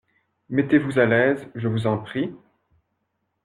Mettez-vous à l’aise, je vous en prie.